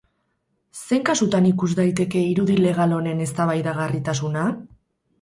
Zein kasutan ikus daiteke irudi legal honen eztabaidagarritasuna?